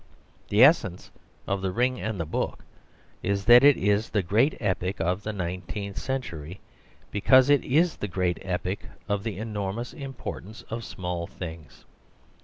The essence of The Ring and the Book is that it is the great epic of the nineteenth century, because it is the great epic of the enormous importance of small things.